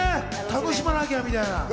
楽しまなきゃみたいな。